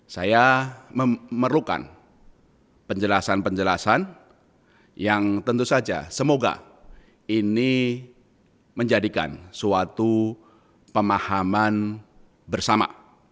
saya memerlukan penjelasan penjelasan yang tentu saja semoga ini menjadikan suatu pemahaman bersama